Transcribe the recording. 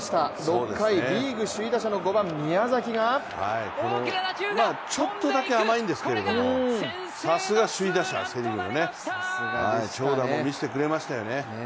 ６回、リーグ首位打者の５番・宮崎がちょっとだけ甘いんですけれども、さすがセ・リーグの首位打者、長打も見せてくれましたよね。